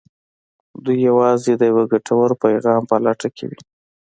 دوی يوازې د يوه ګټور پيغام په لټه کې وي.